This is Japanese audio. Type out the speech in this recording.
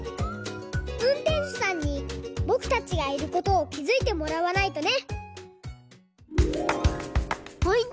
うんてんしゅさんにぼくたちがいることをきづいてもらわないとね！